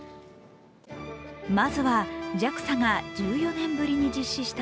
まずはＪＡＸＡが１４年ぶりに実施した